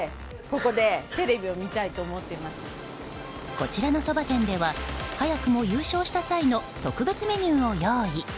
こちらのそば店では早くも優勝した際の特別メニューを用意。